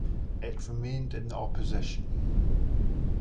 It remained in the opposition.